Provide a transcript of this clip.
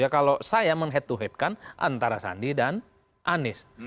kalau saya meng head to head kan antara sandi dan anies